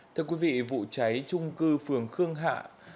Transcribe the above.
thưa quý vị vụ cháy trung cư phường khương hạ